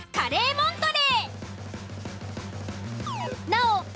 モントレ―・